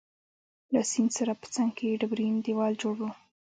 له سیند سره په څنګ کي ډبرین دیوال جوړ وو.